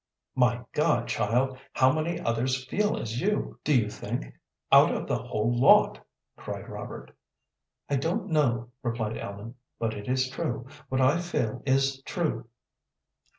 "My God! child, how many others feel as you, do you think, out of the whole lot?" cried Robert. "I don't know," replied Ellen, "but it is true. What I feel is true."